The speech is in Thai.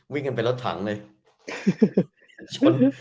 วิ่งกันไปรถถังเลย